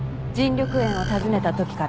緑園を訪ねた時から？